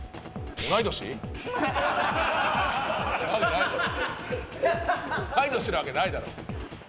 同い年なわけないだろ。